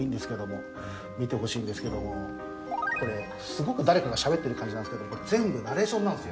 これすごく誰かがしゃべってる感じなんですけど全部ナレーションなんですよ。